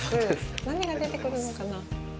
何が出てくるのかなぁ？